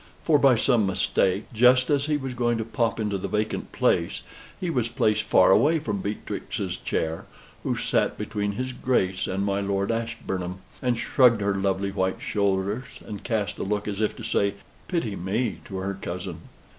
For, by some mistake, just as he was going to pop into the vacant place, he was placed far away from Beatrix's chair, who sat between his Grace and my Lord Ashburnham, and shrugged her lovely white shoulders, and cast a look as if to say, "Pity me," to her cousin.